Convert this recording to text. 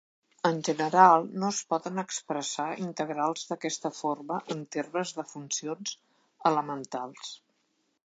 En general, no es poden expressar integrals d'aquesta forma en termes de funcions elementals.